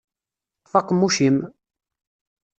Ṭṭef aqemmuc-im!